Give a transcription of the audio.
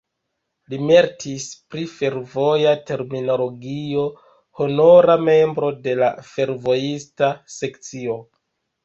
Li meritis pri fervoja terminologio, honora membro de fervojista sekcio.